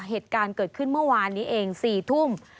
เหตุการณ์เกิดขึ้นเมื่อวานนี้เอง๔ทุ่ม